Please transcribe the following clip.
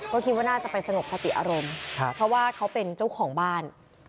ก็คิดว่าน่าจะไปสงบสติอารมณ์เพราะว่าเขาเป็นเจ้าของบ้าน